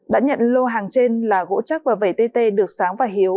đã nhận lô hàng trên là gỗ chắc và vẩy tê tê được sáng và hiếu